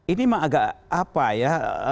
ini memang agak apa ya